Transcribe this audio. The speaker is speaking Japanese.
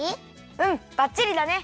うんばっちりだね！